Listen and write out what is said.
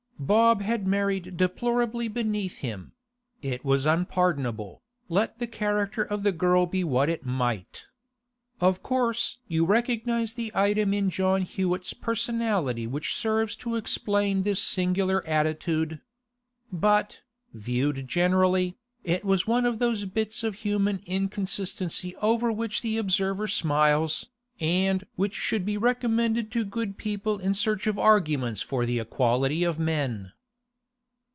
Bob had married deplorably beneath him; it was unpardonable, let the character of the girl be what it might. Of course you recognise the item in John Hewett's personality which serves to explain this singular attitude. But, viewed generally, it was one of those bits of human inconsistency over which the observer smiles, and which should be recommended to good people in search of arguments for the equality of men.